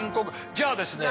じゃあですね